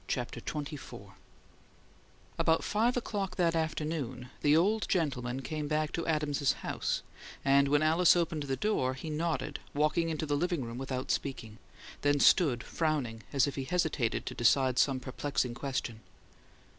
CHAPTER XXIV About five o'clock that afternoon, the old gentleman came back to Adams's house; and when Alice opened the door, he nodded, walked into the "living room" without speaking; then stood frowning as if he hesitated to decide some perplexing question.